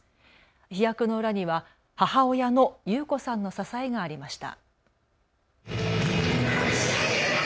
飛躍の裏には母親の裕子さんの支えがありました。